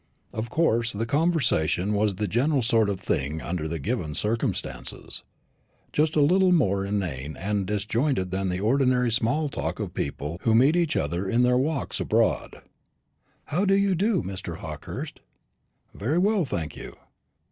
Of course the conversation was the general sort of thing under the given circumstances just a little more inane and disjointed than the ordinary small talk of people who meet each other in their walks abroad. "How do you do, Mr. Hawkehurst? Very well, thank you.